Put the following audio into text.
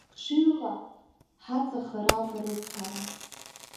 Хшыҩла ҳаҵахар ауп арыцҳара.